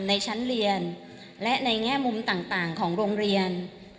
ในชั้นเรียนและในแง่มุมต่างของโรงเรียน